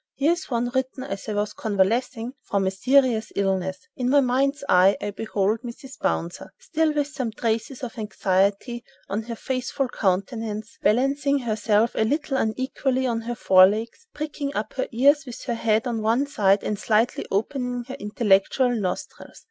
Here is one written as I was convalescing from a serious illness: "In my mind's eye I behold 'Mrs. Bouncer,' still with some traces of anxiety on her faithful countenance, balancing herself a little unequally on her forelegs, pricking up her ears with her head on one side, and slightly opening her intellectual nostrils.